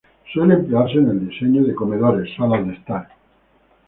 Suele emplearse en el diseño de comedores, salas de estar.